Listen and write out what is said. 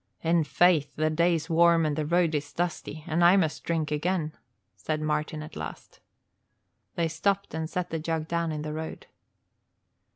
"In faith, the day's warm and the road is dusty and I must drink again," said Martin at last. They stopped and set the jug down in the road.